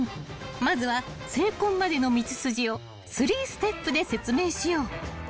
［まずは成婚までの道筋を３ステップで説明しよう］